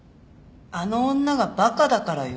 あの女がバカだからよ。